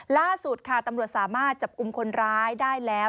ล่าสุดค่ะตำรวจสามารถจับกลุ่มคนร้ายได้แล้ว